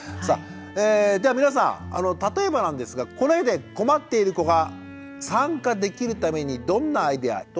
さあでは皆さん例えばなんですがこの絵で困っている子が参加できるためにどんなアイデア。